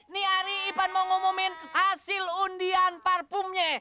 nihari ipan mau ngumumin hasil undian parfumnya